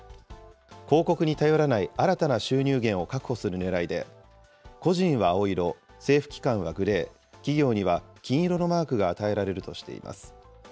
広告に頼らない新たな収入源を確保するねらいで、個人は青色、政府機関はグレー、企業には金色のマークが与えられるとしています。